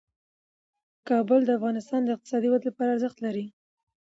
کابل د افغانستان د اقتصادي ودې لپاره ارزښت لري.